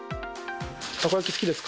たこ焼き好きですか？